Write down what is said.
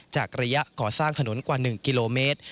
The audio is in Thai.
ระยะก่อสร้างถนนกว่า๑กิโลเมตร